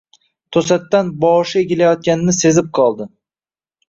To‘satdan boshi egilayotganini sezib qoldi.